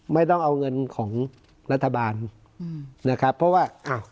ไม่ต้องเอาเงินของรัฐบาลอืมนะครับเพราะว่าอ้าว